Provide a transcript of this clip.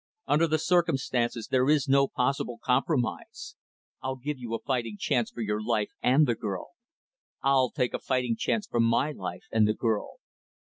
Under the circumstances there is no possible compromise. I'll give you a fighting chance for your life and the girl. I'll take a fighting chance for my life and the girl.